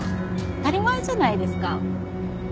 当たり前じゃないですか。